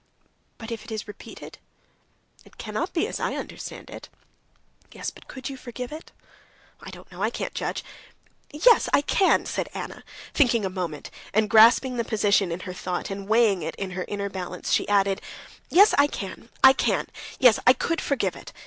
"But if it is repeated?" "It cannot be, as I understand it...." "Yes, but could you forgive it?" "I don't know, I can't judge.... Yes, I can," said Anna, thinking a moment; and grasping the position in her thought and weighing it in her inner balance, she added: "Yes, I can, I can, I can. Yes, I could forgive it.